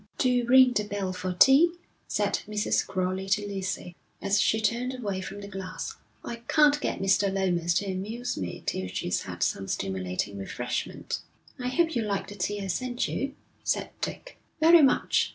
'Do ring the bell for tea,' said Mrs. Crowley to Lucy, as she turned away from the glass. 'I can't get Mr. Lomas to amuse me till he's had some stimulating refreshment.' 'I hope you like the tea I sent you,' said Dick. 'Very much.